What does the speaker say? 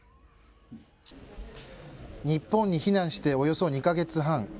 日本に避難しておよそ２か月半。